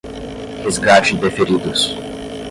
Resgate de Feridos